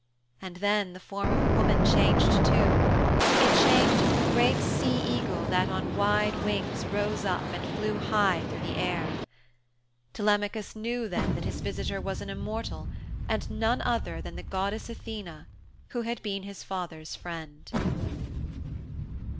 And then the form of a woman changed too. It changed into a great sea eagle that on wide wings rose up and flew high through the air. Telemachus knew then that his visitor was an immortal and no other than the goddess Athene who had been his father's friend.